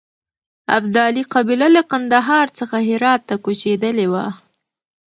ابدالي قبیله له کندهار څخه هرات ته کوچېدلې وه.